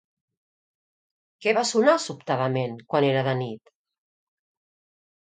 Què va sonar sobtadament quan era de nit?